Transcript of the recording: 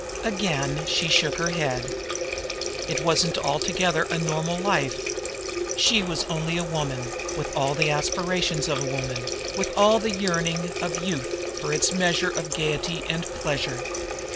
Again she shook her head. It wasn't altogether a normal life. She was only a woman, with all the aspirations of a woman, with all the yearning of youth for its measure of gayety and pleasure.